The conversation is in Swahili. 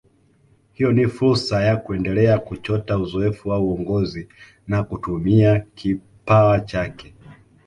Hiyo ni fursa ya kuendelea kuchota uzoefu wa uongozi na kutumia kipawa chake